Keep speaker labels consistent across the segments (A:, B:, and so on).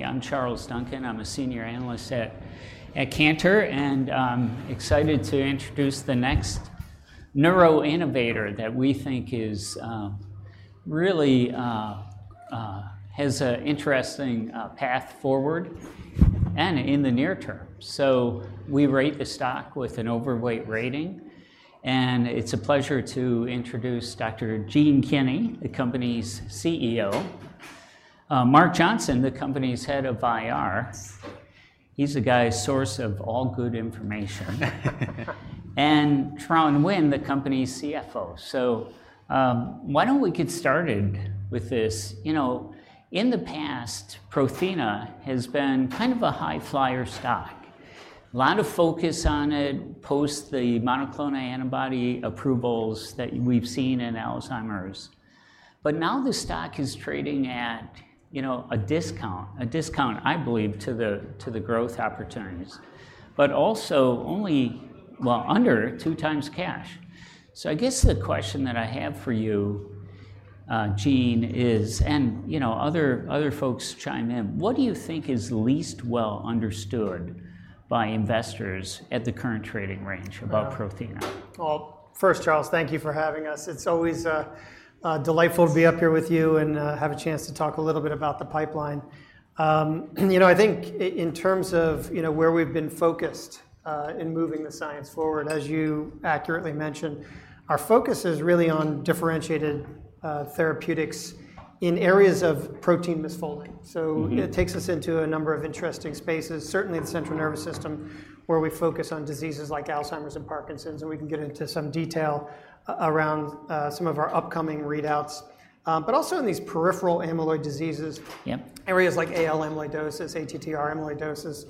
A: I'm Charles Duncan. I'm a Senior Analyst at Cantor, and I'm excited to introduce the next neuro innovator that we think is really has an interesting path forward and in the near term. So we rate the stock with an overweight rating, and it's a pleasure to introduce Dr. Gene Kinney, the company's CEO, Mark Johnson, the company's head of IR. He's the guy, source of all good information. And Tran Nguyen, the company's CFO. So, why don't we get started with this? You know, in the past, Prothena has been kind of a highflyer stock. Lot of focus on it post the monoclonal antibody approvals that we've seen in Alzheimer's. But now the stock is trading at, you know, a discount, I believe, to the growth opportunities, but also only, well, under two times cash. I guess the question that I have for you, Gene, is, and you know, other folks chime in, what do you think is least well understood by investors at the current trading range about Prothena?
B: First, Charles, thank you for having us. It's always delightful to be up here with you and have a chance to talk a little bit about the pipeline. You know, I think in terms of, you know, where we've been focused in moving the science forward, as you accurately mentioned, our focus is really on differentiated therapeutics in areas of protein misfolding. So it takes us into a number of interesting spaces, certainly the central nervous system, where we focus on diseases like Alzheimer's and Parkinson's, and we can get into some detail around some of our upcoming readouts. But also in these peripheral amyloid diseases areas like AL amyloidosis, ATTR amyloidosis.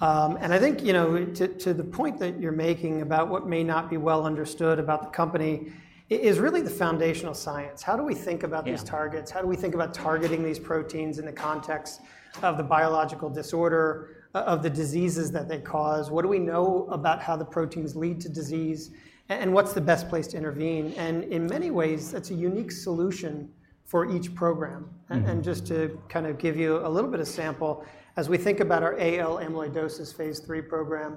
B: And I think, you know, to the point that you're making about what may not be well understood about the company is really the foundational science. How do we think about these targets?
A: Yeah.
B: How do we think about targeting these proteins in the context of the biological disorder of the diseases that they cause? What do we know about how the proteins lead to disease, and what's the best place to intervene? And in many ways, it's a unique solution for each program. Just to kind of give you a little bit of sample, as we think about our AL amyloidosis phase III program,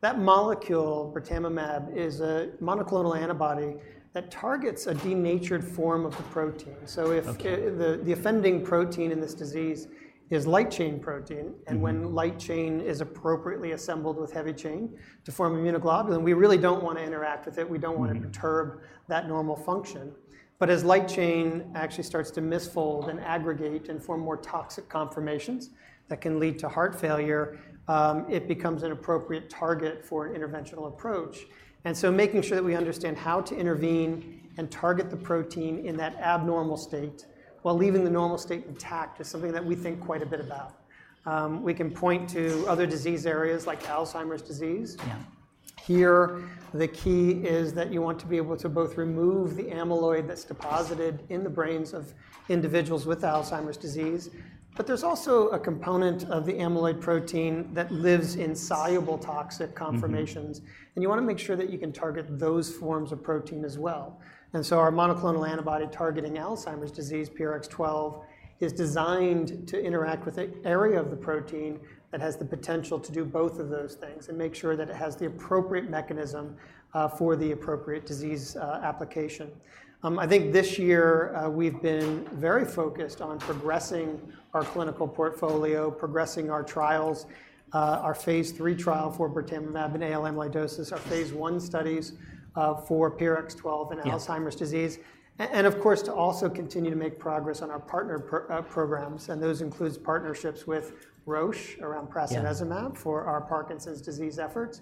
B: that molecule, birtamimab, is a monoclonal antibody that targets a denatured form of the protein.
A: Okay.
B: So if the offending protein in this disease is light chain protein and when light chain is appropriately assembled with heavy chain to form immunoglobulin, we really don't wanna interact with it. We don't wanna perturb that normal function. But as light chain actually starts to misfold and aggregate and form more toxic conformations that can lead to heart failure, it becomes an appropriate target for an interventional approach. And so making sure that we understand how to intervene and target the protein in that abnormal state while leaving the normal state intact, is something that we think quite a bit about. We can point to other disease areas like Alzheimer's disease.
A: Yeah.
B: Here, the key is that you want to be able to both remove the amyloid that's deposited in the brains of individuals with Alzheimer's disease, but there's also a component of the amyloid protein that lives in soluble, toxic conformations. And you wanna make sure that you can target those forms of protein as well. And so our monoclonal antibody targeting Alzheimer's disease, PRX012, is designed to interact with a area of the protein that has the potential to do both of those things and make sure that it has the appropriate mechanism, for the appropriate disease, application. I think this year, we've been very focused on progressing our clinical portfolio, progressing our trials, our phase III trial for birtamimab and AL amyloidosis, our phase I studies, for PRX012 and Alzheimer's disease, and of course, to also continue to make progress on our partner programs, and those includes partnerships with Roche around prasinezumab for our Parkinson's disease efforts.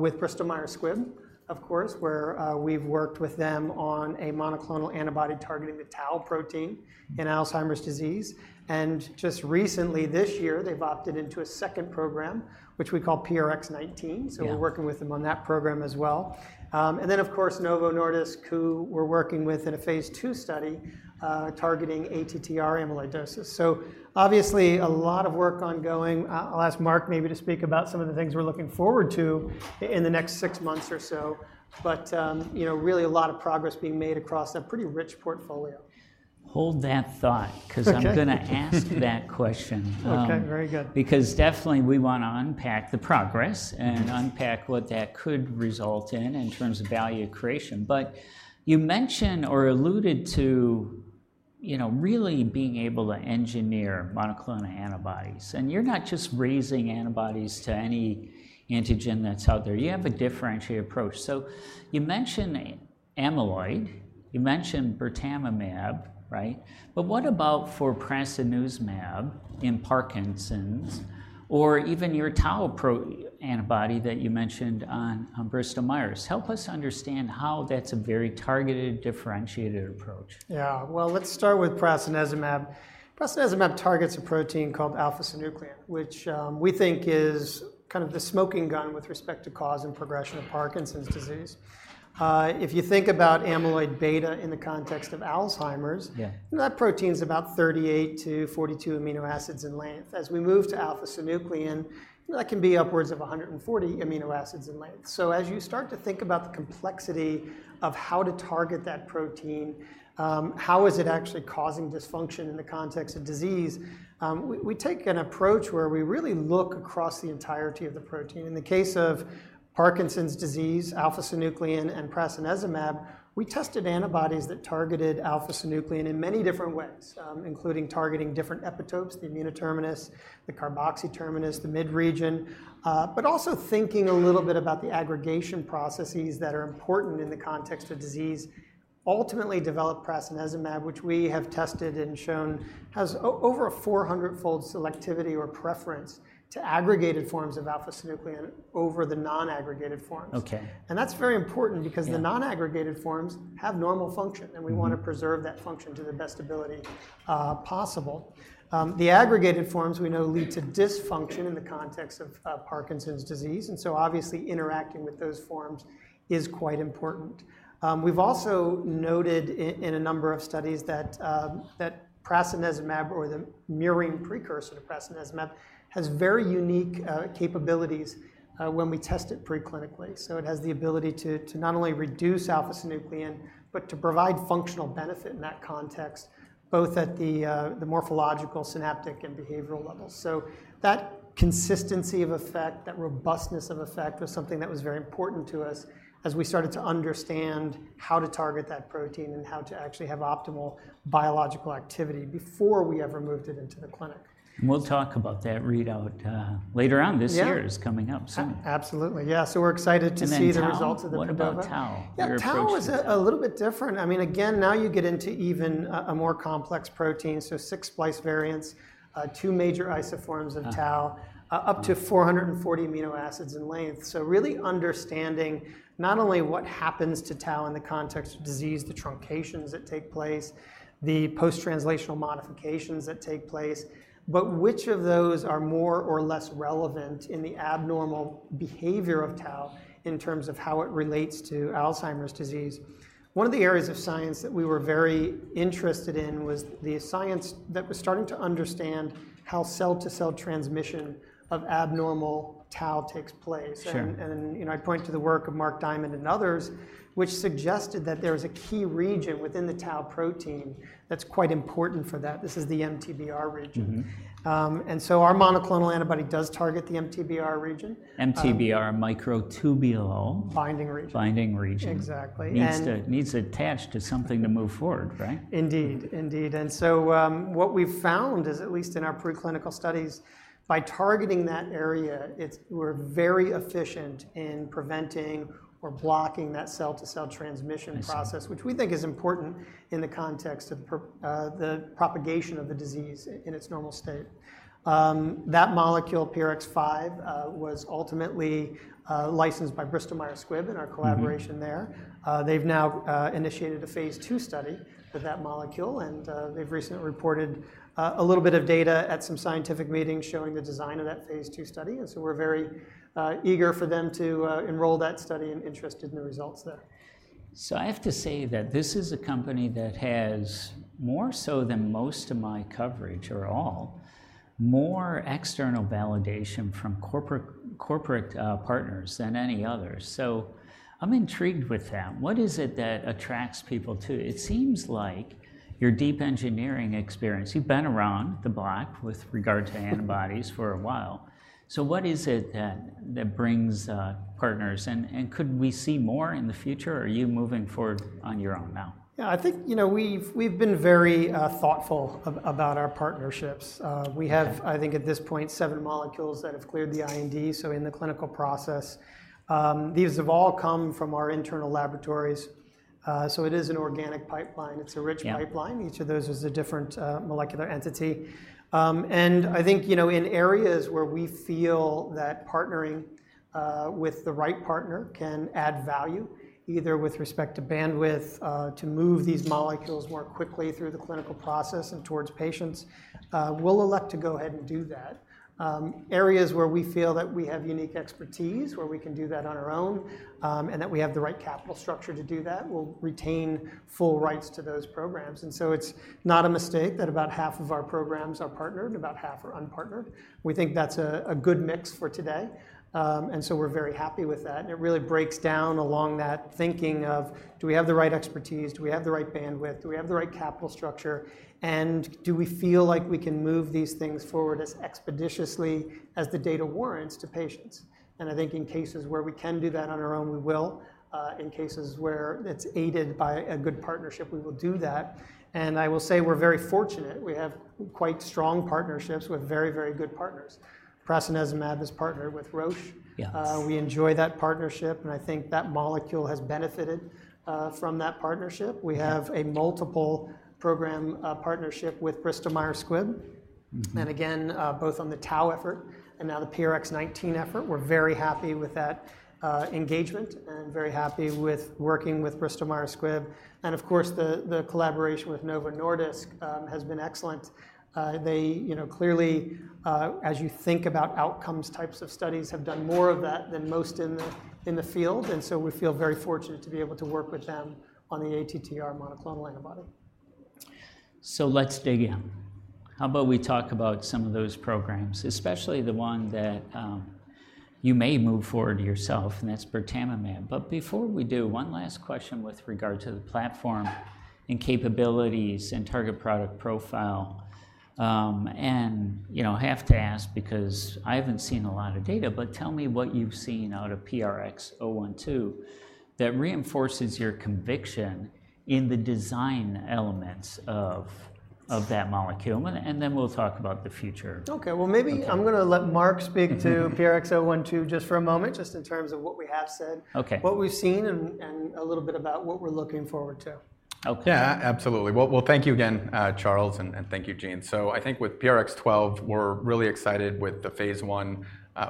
B: With Bristol Myers Squibb, of course, where we've worked with them on a monoclonal antibody targeting the tau protein in Alzheimer's disease. And just recently, this year, they've opted into a second program, which we call PRX019.
A: Yeah.
B: So we're working with them on that program as well. And then of course, Novo Nordisk, who we're working with in a phase II study, targeting ATTR amyloidosis. So obviously, a lot of work ongoing. I'll ask Mark maybe to speak about some of the things we're looking forward to in the next six months or so. But, you know, really a lot of progress being made across a pretty rich portfolio.
A: Hold that thought cause I'm gonna ask that question.
B: Okay, very good.
A: Because definitely we wanna unpack the progress and unpack what that could result in in terms of value creation. But you mentioned or alluded to, you know, really being able to engineer monoclonal antibodies, and you're not just raising antibodies to any antigen that's out there. You have a differentiated approach. So you mentioned amyloid, you mentioned birtamimab, right? But what about for prasinezumab in Parkinson's, or even your tau antibody that you mentioned on Bristol Myers? Help us understand how that's a very targeted, differentiated approach.
B: Yeah. Well, let's start with prasinezumab. Prasinezumab targets a protein called alpha-synuclein, which we think is kind of the smoking gun with respect to cause and progression of Parkinson's disease. If you think about amyloid beta in the context of Alzheimer's that protein's about 38-42 amino acids in length. As we move to alpha-synuclein, that can be upwards of 140 amino acids in length. So as you start to think about the complexity of how to target that protein, how is it actually causing dysfunction in the context of disease? We take an approach where we really look across the entirety of the protein. In the case of Parkinson's disease, alpha-synuclein, and prasinezumab, we tested antibodies that targeted alpha-synuclein in many different ways, including targeting different epitopes, the amino terminus, the carboxy terminus, the mid region. But also thinking a little bit about the aggregation processes that are important in the context of disease. Ultimately developed prasinezumab, which we have tested and shown has over a four hundredfold selectivity or preference to aggregated forms of alpha-synuclein over the non-aggregated forms.
A: Okay.
B: And that's very important because the non-aggregated forms have normal function and we want to preserve that function to the best ability possible. The aggregated forms we know lead to dysfunction in the context of Parkinson's disease, and so obviously interacting with those forms is quite important. We've also noted in a number of studies that prasinezumab or the mirroring precursor to prasinezumab has very unique capabilities when we test it preclinically. So it has the ability to not only reduce alpha-synuclein, but to provide functional benefit in that context, both at the morphological, synaptic, and behavioral level. So that consistency of effect, that robustness of effect, was something that was very important to us as we started to understand how to target that protein and how to actually have optimal biological activity before we ever moved it into the clinic.
A: And we'll talk about that readout, later on this year.
B: Yeah.
A: It's coming up soon.
B: Absolutely. Yeah, so we're excited to see the results of the PADOVA.
A: And then tau, what about tau? Your approach to-
B: Yeah, tau is a little bit different. I mean, again, now you get into even a more complex protein, so six splice variants, two major isoforms of tau up to four hundred and forty amino acids in length. So really understanding not only what happens to tau in the context of disease, the truncations that take place, the post-translational modifications that take place, but which of those are more or less relevant in the abnormal behavior of tau in terms of how it relates to Alzheimer's disease. One of the areas of science that we were very interested in was the science that was starting to understand how cell-to-cell transmission of abnormal tau takes place.
A: Sure.
B: You know, I point to the work of Marc Diamond and others, which suggested that there is a key region within the tau protein that's quite important for that. This is the MTBR region. Our monoclonal antibody does target the MTBR region.
A: MTBR, microtubule-
B: Binding region.
A: Binding region.
B: Exactly. And-
A: Needs to attach to something to move forward, right?
B: Indeed, indeed. And so, what we've found is, at least in our preclinical studies, by targeting that area, we're very efficient in preventing or blocking that cell-to-cell transmission process. which we think is important in the context of the propagation of the disease in its normal state. That molecule, PRX005, was ultimately licensed by Bristol Myers Squibb in our collaboration there. They've now initiated a phase two study with that molecule, and they've recently reported a little bit of data at some scientific meetings showing the design of that phase II study, and so we're very eager for them to enroll that study and interested in the results there.
A: So I have to say that this is a company that has, more so than most of my coverage or all, more external validation from corporate partners than any other. So I'm intrigued with that. What is it that attracts people too. It seems like your deep engineering experience. You've been around the block with regard to antibodies for a while. So what is it that brings partners, and could we see more in the future, or are you moving forward on your own now?
B: Yeah, I think, you know, we've been very thoughtful about our partnerships. We have I think at this point, seven molecules that have cleared the IND, so in the clinical process. These have all come from our internal laboratories. So it is an organic pipeline. It's a rich pipeline.
A: Yeah.
B: Each of those is a different molecular entity. And I think, you know, in areas where we feel that partnering with the right partner can add value, either with respect to bandwidth to move these molecules more quickly through the clinical process and towards patients, we'll elect to go ahead and do that. Areas where we feel that we have unique expertise, where we can do that on our own, and that we have the right capital structure to do that, we'll retain full rights to those programs. And so it's not a mistake that about half of our programs are partnered, about half are unpartnered. We think that's a good mix for today. And so we're very happy with that, and it really breaks down along that thinking of, do we have the right expertise? Do we have the right bandwidth? Do we have the right capital structure? And do we feel like we can move these things forward as expeditiously as the data warrants to patients? And I think in cases where we can do that on our own, we will. In cases where it's aided by a good partnership, we will do that. And I will say we're very fortunate. We have quite strong partnerships with very, very good partners. Prasinezumab is partnered with Roche.
A: Yes.
B: We enjoy that partnership, and I think that molecule has benefited from that partnership. We have a multiple program partnership with Bristol Myers Squibb. And again, both on the tau effort and now the PRX019 effort, we're very happy with that engagement and very happy with working with Bristol Myers Squibb. And of course, the collaboration with Novo Nordisk has been excellent. They, you know, clearly, as you think about outcomes types of studies, have done more of that than most in the field, and so we feel very fortunate to be able to work with them on the ATTR monoclonal antibody.
A: So let's dig in. How about we talk about some of those programs, especially the one that you may move forward yourself, and that's birtamimab. But before we do, one last question with regard to the platform and capabilities and target product profile, and, you know, I have to ask because I haven't seen a lot of data, but tell me what you've seen out of PRX012 that reinforces your conviction in the design elements of that molecule, and, and then we'll talk about the future.
B: Okay, well, maybe I'm gonna let Mark speak to PRX012 just for a moment, just in terms of what we have said what we've seen, and a little bit about what we're looking forward to.
A: Okay.
C: Yeah, absolutely. Well, thank you again, Charles, and thank you, Gene. So I think with PRX012, we're really excited with the phase I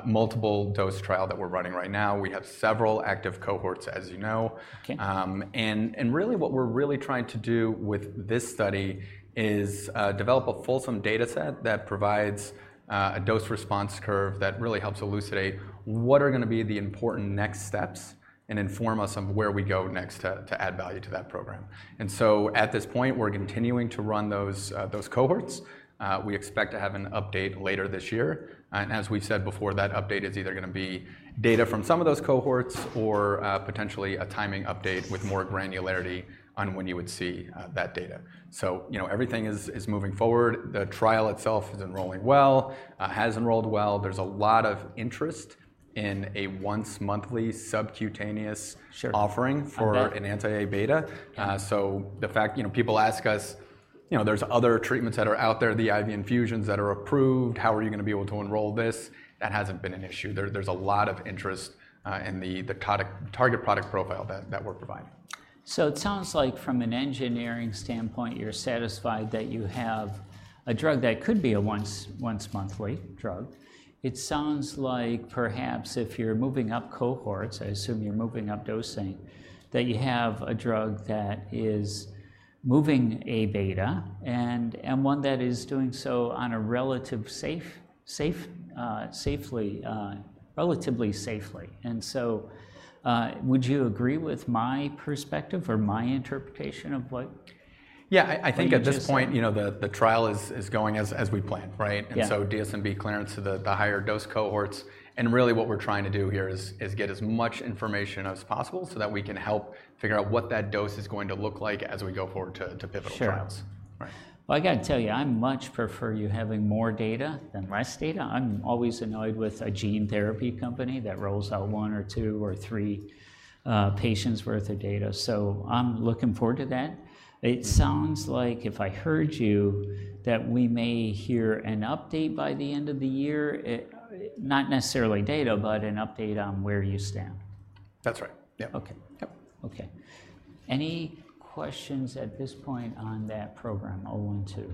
C: multiple dose trial that we're running right now. We have several active cohorts, as you know.
A: Okay.
C: And really what we're trying to do with this study is develop a fulsome data set that provides a dose-response curve that really helps elucidate what are gonna be the important next steps and inform us of where we go next to add value to that program. And so at this point, we're continuing to run those cohorts. We expect to have an update later this year, and as we've said before, that update is either gonna be data from some of those cohorts or potentially a timing update with more granularity on when you would see that data. You know, everything is moving forward. The trial itself is enrolling well, has enrolled well. There's a lot of interest in a once-monthly subcutaneous offering for an anti-A-beta. So the fact people ask us, "You know, there's other treatments that are out there, the IV infusions that are approved. How are you gonna be able to enroll this?" That hasn't been an issue. There's a lot of interest in the product-target product profile that we're providing.
A: So it sounds like from an engineering standpoint, you're satisfied that you have a drug that could be a once, once-monthly drug. It sounds like perhaps if you're moving up cohorts, I assume you're moving up dosing, that you have a drug that is moving A-beta, and one that is doing so relatively safely. And so, would you agree with my perspective or my interpretation of what you just.
C: Yeah, I think at this point, you know, the trial is going as we planned, right?
A: Yeah.
C: DSMB clearance to the higher dose cohorts, and really what we're trying to do here is get as much information as possible so that we can help figure out what that dose is going to look like as we go forward to pivotal trials.
A: Sure. I gotta tell you, I much prefer you having more data than less data. I'm always annoyed with a gene therapy company that rolls out one or two or three patients' worth of data, so I'm looking forward to that. It sounds like, if I heard you, that we may hear an update by the end of the year? Not necessarily data, but an update on where you stand.
C: That's right. Yeah.
A: Okay.
C: Yep.
A: Okay. Any questions at this point on that program, 012?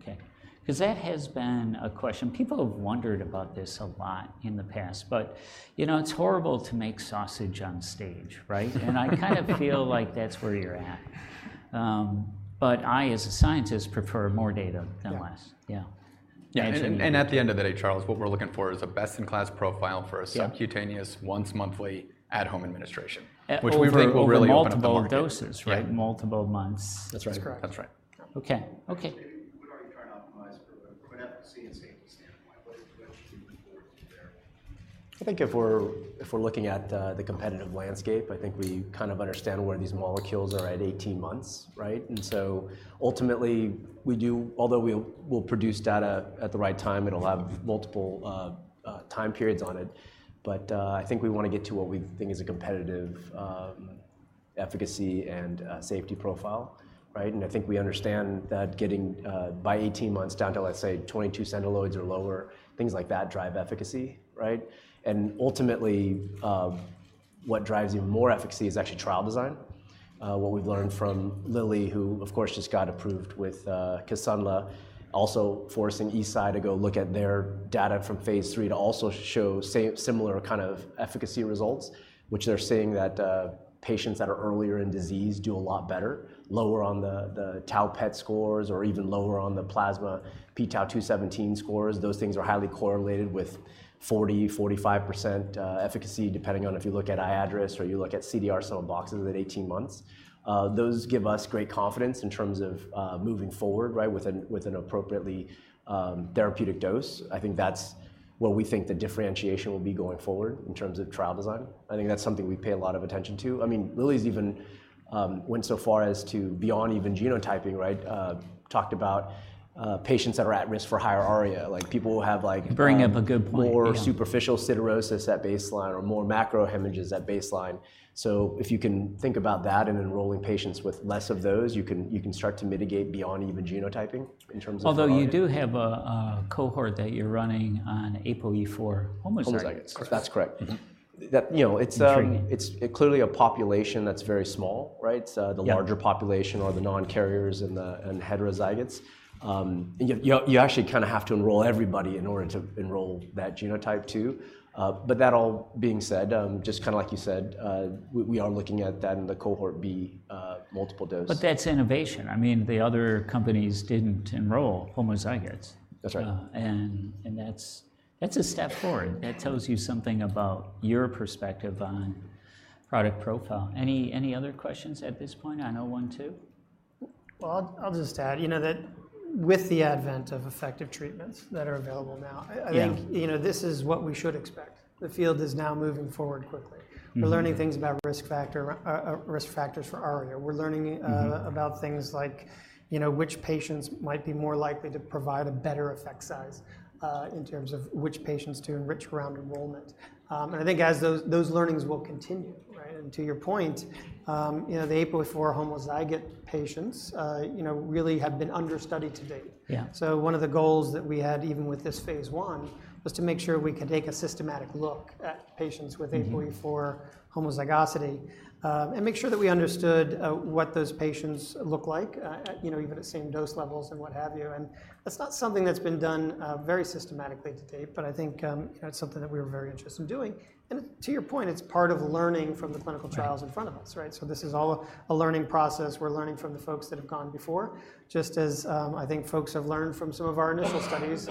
A: Okay. 'Cause that has been a question. People have wondered about this a lot in the past, but, you know, it's horrible to make sausage on stage, right? And I kind of feel like that's where you're at. But I, as a scientist, prefer more data than less.
C: At the end of the day, Charles, what we're looking for is a best-in-class profile for a subcutaneous, once-monthly, at-home administration which we think will really open up a market.
A: Multiple doses, right?
C: Yeah.
A: Multiple months.
B: That's correct.
C: That's right.
A: Okay. Okay. Maybe we'd already try and optimize for, from an efficacy and safety standpoint, what, what do you see moving forward there?
D: I think if we're, if we're looking at the, the competitive landscape, I think we kind of understand where these molecules are at 18 months, right? And so ultimately, we do. Although we'll produce data at the right time, it'll have multiple time periods on it. But I think we wanna get to what we think is a competitive efficacy and safety profile, right? And I think we understand that getting by 18 months down to, let's say, 22 centiloids or lower, things like that drive efficacy, right? And ultimately what drives even more efficacy is actually trial design. What we've learned from Lilly, who of course just got approved with Kisunla, also forcing Eisai to go look at their data from phase III to also show similar kind of efficacy results, which they're saying that patients that are earlier in disease do a lot better, lower on the tau PET scores, or even lower on the plasma p-tau217 scores. Those things are highly correlated with 40%-45% efficacy, depending on if you look at iADRS or you look at CDR-SB at 18 months. Those give us great confidence in terms of moving forward, right, with an appropriately therapeutic dose. I think that's where we think the differentiation will be going forward in terms of trial design. I think that's something we pay a lot of attention to. I mean, Lilly's even went so far as to beyond even genotyping, right? Talked about patients that are at risk for higher ARIA, like people who have, like.
A: Bringing up a good point, yeah.
D: More superficial siderosis at baseline or more macrohemorrhage at baseline. So if you can think about that and enrolling patients with less of those, you can start to mitigate beyond even genotyping in terms of ARIA.
A: Although you do have a cohort that you're running on APOE4 homozygotes.
D: Homozygotes. That's correct. That, you know.
A: Intriguing
D: It's clearly a population that's very small, right?
A: Yeah.
D: The larger population or the non-carriers and the heterozygotes. You actually kind of have to enroll everybody in order to enroll that genotype, too. But that all being said, just kind of like you said, we are looking at that in the cohort B, multiple dose.
A: But that's innovation. I mean, the other companies didn't enroll homozygotes.
D: That's right.
A: And that's a step forward.
D: Yeah.
A: That tells you something about your perspective on product profile. Any other questions at this point on 012?
B: I'll just add, you know, that with the advent of effective treatments that are available now I think, you know, this is what we should expect. The field is now moving forward quickly. We're learning things about risk factor, risk factors for ARIA. We're learning about things like, you know, which patients might be more likely to provide a better effect size, in terms of which patients to enrich around enrollment. And I think as those learnings will continue, right? And to your point, you know, the APOE4 homozygous patients, you know, really have been understudied to date.
A: Yeah.
B: One of the goals that we had, even with this phase one, was to make sure we could take a systematic look at patients with APOE4 homozygosity, and make sure that we understood what those patients look like, you know, even at same dose levels and what have you. And that's not something that's been done very systematically to date, but I think, you know, it's something that we were very interested in doing. And to your point, it's part of learning from the clinical trials in front of us, right? So this is all a learning process. We're learning from the folks that have gone before, just as, I think folks have learned from some of our initial studies,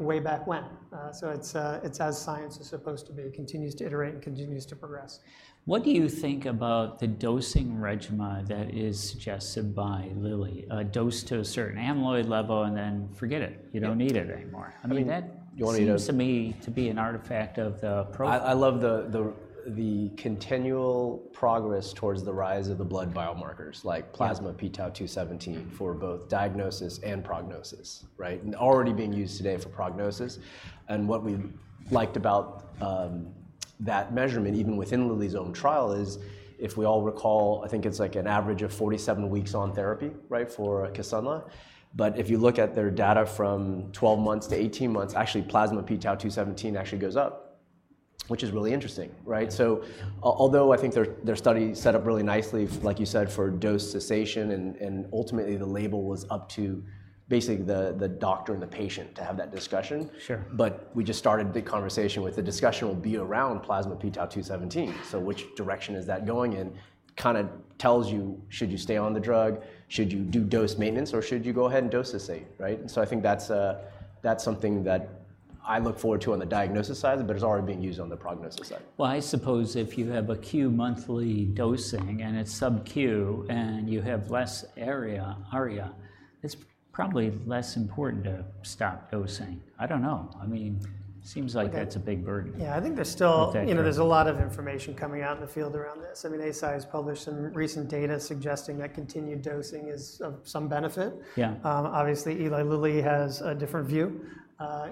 B: way back when. So it's as science is supposed to be. It continues to iterate and continues to progress.
A: What do you think about the dosing regimen that is suggested by Lilly? Dose to a certain amyloid level, and then forget it. You don't need it anymore. I mean, that seems to me to be an artifact of the pro.
D: I love the continual progress towards the rise of the blood biomarkers like plasma p-tau217 for both diagnosis and prognosis, right? And already being used today for prognosis. And what we liked about that measurement, even within Lilly's own trial, is, if we all recall, I think it's, like, an average of 47 weeks on therapy, right, for Kisunla. But if you look at their data from 12 months-18 months, actually, plasma p-tau217 actually goes up, which is really interesting, right? So although I think their study is set up really nicely, like you said, for dose cessation, and ultimately the label was up to basically the doctor and the patient to have that discussion.
A: Sure.
D: But we just started the conversation with the discussion will be around plasma p-tau217. So which direction is that going in? Kinda tells you. Should you stay on the drug? Should you do dose maintenance, or should you go ahead and dose the same, right? And so I think that's something that I look forward to on the diagnosis side, but it's already being used on the prognosis side.
A: I suppose if you have a Q monthly dosing, and it's sub-Q, and you have less area, it's probably less important to stop dosing. I don't know. I mean, seems like that's a big burden.
B: Yeah, I think there's still you know, there's a lot of information coming out in the field around this. I mean, Eisai has published some recent data suggesting that continued dosing is of some benefit.
A: Yeah.
B: Obviously, Eli Lilly has a different view.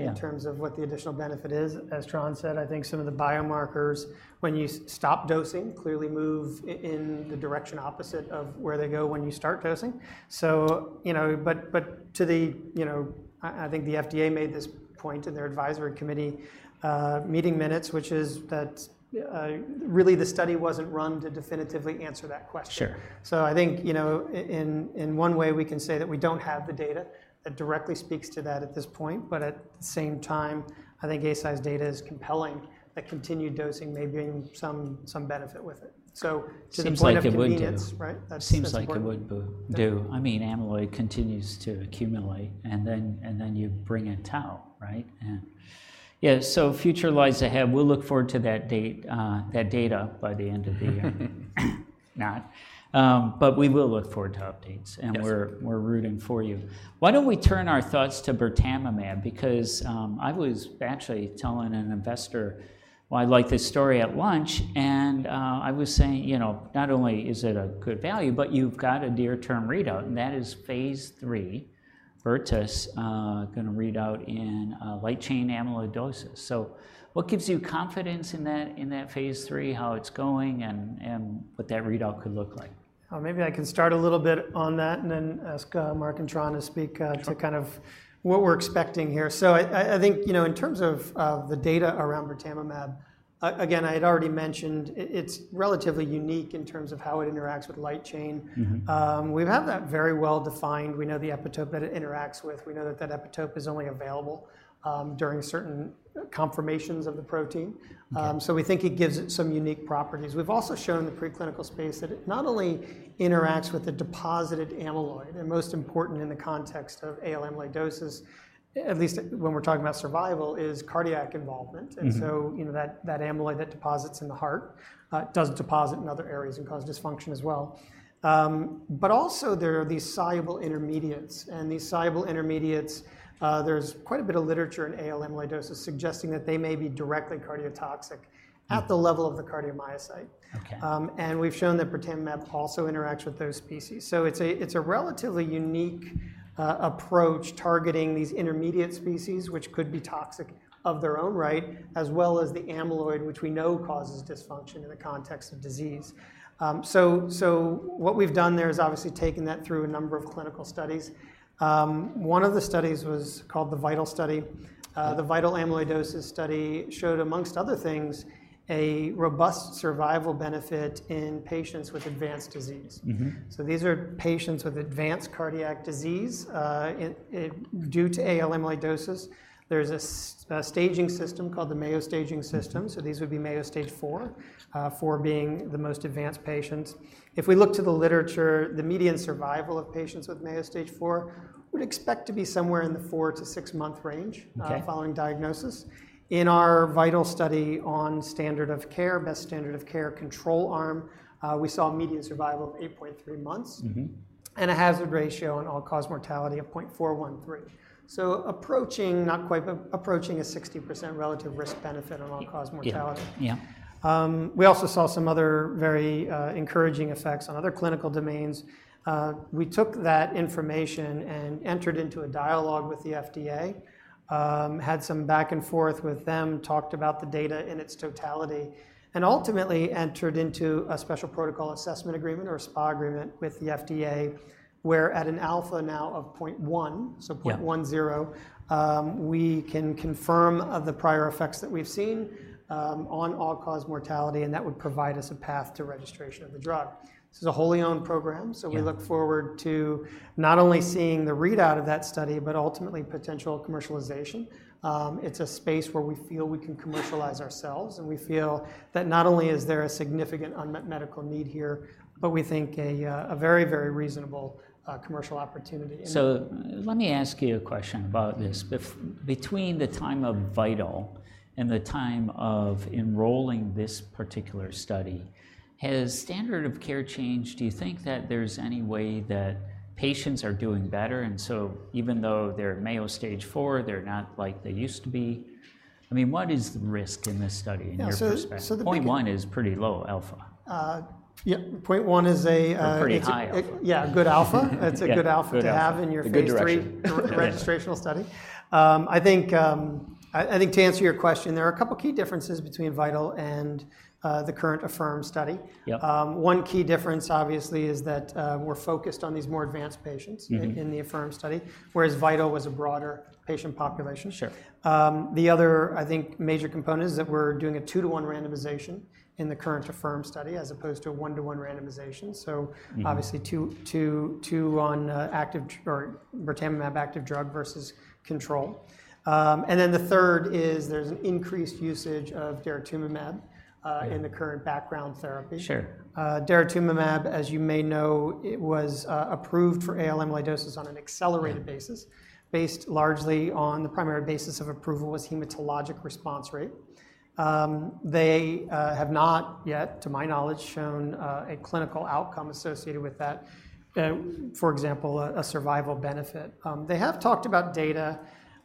B: In terms of what the additional benefit is. As Tran said, I think some of the biomarkers, when you stop dosing, clearly move in the direction opposite of where they go when you start dosing. So, you know, but to the, you know. I think the FDA made this point in their advisory committee meeting minutes, which is that really, the study wasn't run to definitively answer that question.
A: Sure.
B: So I think, you know, in one way, we can say that we don't have the data that directly speaks to that at this point. But at the same time, I think Eisai's data is compelling, that continued dosing may bring some benefit with it. So to the point of.
A: Seems like it would do.
B: Convenience, right? That's, that's important.
A: Seems like it would do. I mean, amyloid continues to accumulate, and then you bring in tau, right? Yeah, so future lies ahead. We'll look forward to that date, that data by the end of the year, but we will look forward to updates and we're rooting for you. Why don't we turn our thoughts to birtamimab? Because, I was actually telling an investor why I like this story at lunch, and, I was saying, "You know, not only is it a good value, but you've got a near-term readout," and that is phase III. AFFIRM gonna read out in light chain amyloidosis. So what gives you confidence in that phase three, how it's going, and what that readout could look like?
B: Maybe I can start a little bit on that and then ask Mark and Tran to speak to kind of what we're expecting here. So I think, you know, in terms of the data around birtamimab, again, I had already mentioned it's relatively unique in terms of how it interacts with light chain We've had that very well defined. We know the epitope that it interacts with. We know that that epitope is only available during certain conformations of the protein.
A: Okay.
B: So we think it gives it some unique properties. We've also shown in the preclinical space that it not only interacts with the deposited amyloid, and most important in the context of AL amyloidosis, at least when we're talking about survival, is cardiac involvement. So, you know, that amyloid that deposits in the heart does deposit in other areas and cause dysfunction as well, but also, there are these soluble intermediates. These soluble intermediates, there's quite a bit of literature in AL amyloidosis suggesting that they may be directly cardiotoxic at the level of the cardiomyocyte.
A: Okay.
B: And we've shown that birtamimab also interacts with those species. So it's a relatively unique approach, targeting these intermediate species, which could be toxic in their own right, as well as the amyloid, which we know causes dysfunction in the context of disease. So what we've done there is obviously taken that through a number of clinical studies. One of the studies was called the VITAL study. The VITAL amyloidosis study showed, among other things, a robust survival benefit in patients with advanced disease. So these are patients with advanced cardiac disease due to AL amyloidosis. There's a staging system called the Mayo staging system.
A: Mm-hmm.
B: These would be Mayo Stage IV, IV being the most advanced patients. If we look to the literature, the median survival of patients with Mayo Stage IV, we'd expect to be somewhere in the four- to six-month range following diagnosis. In our VITAL study on standard of care, best standard of care control arm, we saw a median survival of 8.3 months and a hazard ratio on all-cause mortality of 0.413, so approaching, not quite, but approaching a 60% relative risk benefit on all-cause mortality.
A: Yeah, yeah.
B: We also saw some other very encouraging effects on other clinical domains. We took that information and entered into a dialogue with the FDA, had some back and forth with them, talked about the data in its totality, and ultimately entered into a Special Protocol Assessment agreement, or a SPA agreement, with the FDA, where at an alpha now of point one.
A: Yeah.
B: So 0.10, we can confirm of the prior effects that we've seen, on all-cause mortality, and that would provide us a path to registration of the drug. This is a wholly owned program.
A: Yeah.
B: So we look forward to not only seeing the readout of that study, but ultimately potential commercialization. It's a space where we feel we can commercialize ourselves, and we feel that not only is there a significant unmet medical need here, but we think a very, very reasonable commercial opportunity.
A: Let me ask you a question about this. Between the time of VITAL and the time of enrolling this particular study, has standard of care changed? Do you think that there's any way that patients are doing better, and so even though they're Mayo stage IV, they're not like they used to be? I mean, what is the risk in this study in your perspective?
B: Yeah, so the big.
A: Point one is pretty low alpha.
B: Yeah. Point one is a,
A: Or pretty high alpha.
B: Yeah, a good alpha.
A: Yeah.
B: It's a good alpha to have in your phase III.
A: A good direction.
B: Regarding registrational study. I think to answer your question, there are a couple key differences between VITAL and the current AFFIRM study.
A: Yep.
B: One key difference, obviously, is that we're focused on these more advanced patient in the AFFIRM study, whereas VITAL was a broader patient population.
A: Sure.
B: The other, I think, major component is that we're doing a two-to-one randomization in the current AFFIRM study, as opposed to a one-to-one randomization. Obviously, two to two on active or bortezomib active drug versus control. And then the third is there's an increased usage of daratumumab in the current background therapy.
A: Sure.
B: Daratumumab, as you may know, it was approved for AL amyloidosis on an accelerated basis, based largely on the primary basis of approval was hematologic response rate. They have not yet, to my knowledge, shown a clinical outcome associated with that, for example, a survival benefit. They have talked about data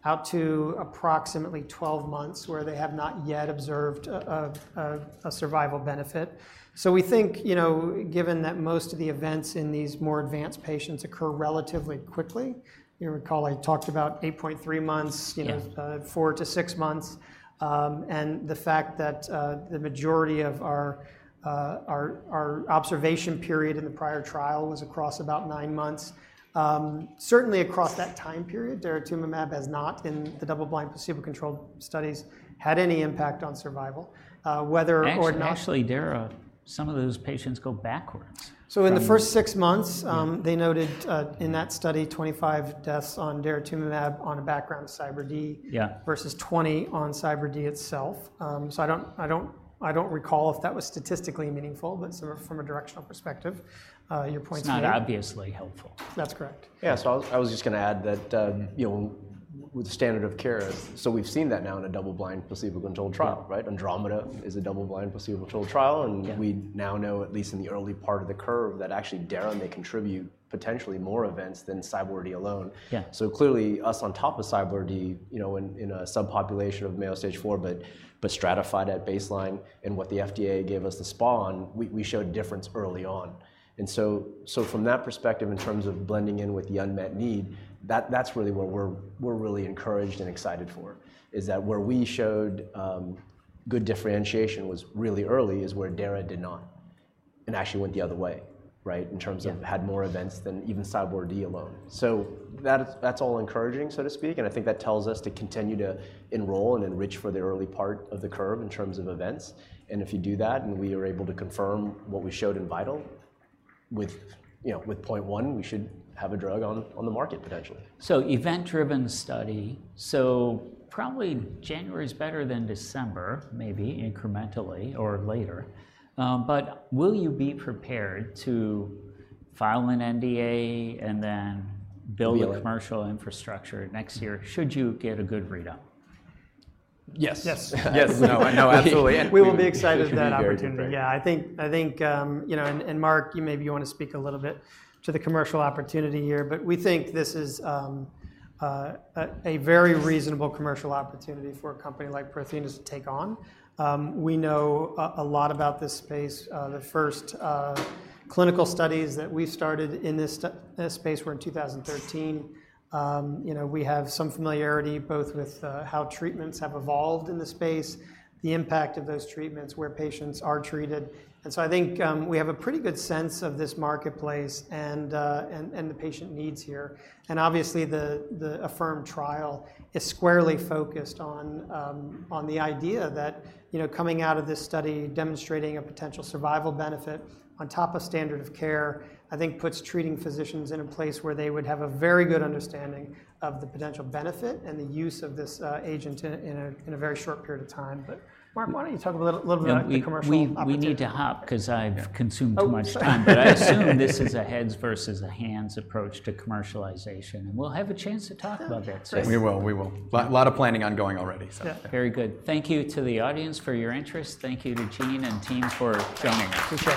B: out to approximately 12 months, where they have not yet observed a survival benefit. So we think, you know, given that most of the events in these more advanced patients occur relatively quickly. You recall I talked about 8.3 months you know, four to six months, and the fact that, the majority of our observation period in the prior trial was across about nine months. Certainly across that time period, daratumumab has not, in the double-blind, placebo-controlled studies, had any impact on survival, whether or not.
A: Actually, dara, some of those patients go backwards from-
B: In the first six months. They noted, in that study, 25 deaths on daratumumab on a background of CyBorD versus 20 on CyBorD itself. So I don't recall if that was statistically meaningful, but sort of from a directional perspective, your point's noted.
A: It's not obviously helpful.
B: That's correct.
C: Yeah, so I was just gonna add that, you know, with the standard of care, so we've seen that now in a double-blind, placebo-controlled trial, right?
A: Yeah.
C: ANDROMEDA is a double-blind, placebo-controlled trial, and we now know, at least in the early part of the curve, that actually dara may contribute potentially more events than CyBorD alone.
A: Yeah.
C: So clearly, us on top of CyBorD, you know, in a subpopulation of Mayo Stage IV, but stratified at baseline and what the FDA gave us the SPA on, we showed difference early on. And so from that perspective, in terms of blending in with the unmet need, that's really what we're really encouraged and excited for, is that where we showed good differentiation was really early is where dara did not, and actually went the other way, right?
A: Yeah.
C: In terms of had more events than even CyBorD alone, so that's all encouraging, so to speak, and I think that tells us to continue to enroll and enrich for the early part of the curve in terms of events, and if you do that, and we are able to confirm what we showed in VITAL, with, you know, with point one, we should have a drug on the market, potentially.
A: Event-driven study, so probably January is better than December, maybe incrementally or later. But will you be prepared to file an NDA and then build a commercial infrastructure next year, should you get a good readout?
C: Yes.
B: Yes.
C: Yes. No, no, absolutely.
B: We will be excited for that opportunity.
C: It should be very exciting.
B: Yeah, I think, I think, you know, and Mark, you maybe wanna speak a little bit to the commercial opportunity here, but we think this is a very reasonable commercial opportunity for a company like Prothena to take on. We know a lot about this space. The first clinical studies that we started in this space were in 2013. You know, we have some familiarity both with how treatments have evolved in the space, the impact of those treatments, where patients are treated, and so I think we have a pretty good sense of this marketplace and the patient needs here. Obviously, the AFFIRM trial is squarely focused on the idea that, you know, coming out of this study demonstrating a potential survival benefit on top of standard of care, I think puts treating physicians in a place where they would have a very good understanding of the potential benefit and the use of this agent in a very short period of time. But Mark, why don't you talk a little bit about the commercial opportunity?
A: We need to hop, 'cause I've consumed too much time.
B: Oh, sorry.
A: But I assume this is a heads versus a hands approach to commercialization, and we'll have a chance to talk about that, so.
B: Yeah.
C: We will. Lots of planning ongoing already, so.
B: Yeah.
A: Very good. Thank you to the audience for your interest. Thank you to Gene and team for joining us.